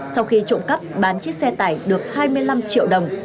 sau khi trộm cắp bán chiếc xe tải được hai mươi năm triệu đồng